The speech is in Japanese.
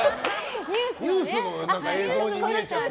ニュースの映像に見えちゃう。